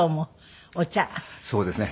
そうですね。